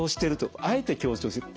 あえて強調してる。